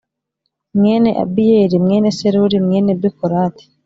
mwene Abiyeli mwene Serori mwene Bekorati